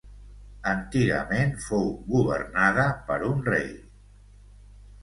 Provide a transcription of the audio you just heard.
Antigament fou governada per un rei.